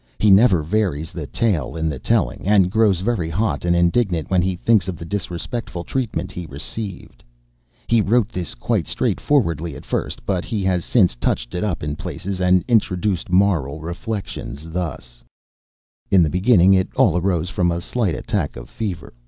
He never varies the tale in the telling, and grows very hot and indignant when he thinks of the disrespectful treatment he received. He wrote this quite straightforwardly at first, but he has since touched it up in places and introduced Moral Reflections, thus: In the beginning it all arose from a slight attack of fever.